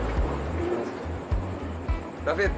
ada tugas baru buat kamu